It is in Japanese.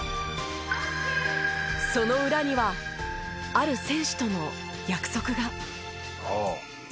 その裏にはある選手との約束が。